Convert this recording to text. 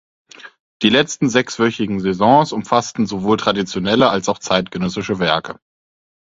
Die letzten sechswöchigen Saisons umfassten sowohl traditionelle als auch zeitgenössische Werke.